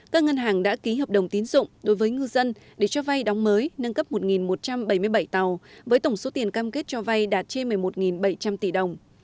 các ngân hàng đã ký hợp đồng tín dụng đối với ngư dân để cho vay đóng mới nâng cấp một một trăm bảy mươi bảy tàu với tổng số tiền cam kết cho vay đạt trên một mươi một bảy trăm linh tỷ đồng